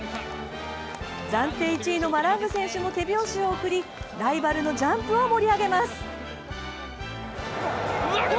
暫定１位のマラング選手も手拍子を送りライバルのジャンプを盛り上げます。